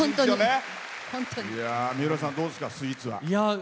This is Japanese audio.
三浦さん、どうですかスイーツは。